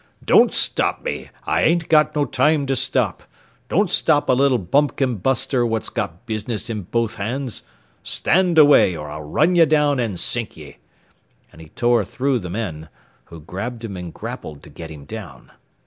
"Don't stop me. I ain't got no time to stop. Don't stop a little bumpkin buster what's got business in both hands. Stand away, or I'll run ye down and sink ye," and he tore through the men, who grabbed him and grappled to get him down.